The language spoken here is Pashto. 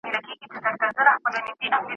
پرښتې د آدم ع په پوهې خبرې سوې.